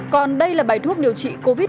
còn đây là bài thuốc điều trị covid một mươi chín